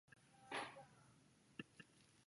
百簕花是爵床科百簕花属的植物。